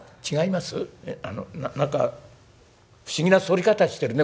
な何か不思議な反り方してるね